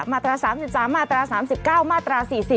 มาตรา๓๓มาตรา๓๙มาตรา๔๐